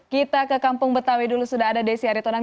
kita ke kampung betawi dulu sudah ada desi aritonang